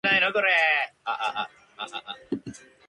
それとも、大事なものかな？